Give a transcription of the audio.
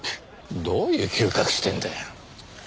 どういう嗅覚してんだよ。